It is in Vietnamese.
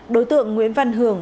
đối tượng nguyễn văn hường